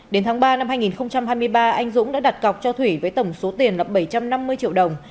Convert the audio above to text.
đến tháng ba năm hai nghìn hai mươi ba anh dũng đã đặt cọc cho thủy với tổng số tiền là bảy trăm năm mươi triệu đồng